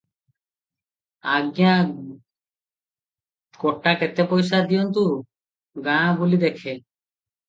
ଆଜ୍ଞା ଗୋଟାକେତେ ପଇସା ଦିଅନ୍ତୁ, ଗାଁ ବୁଲି ଦେଖେ ।